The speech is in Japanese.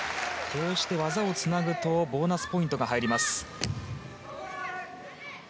こうして技をつなぐとボーナスポイントが入ります。